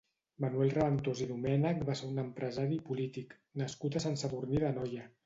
Manuel Raventós i Domènech va ser un empresari i polític, nascut a Sant Sadurní d'Anoia.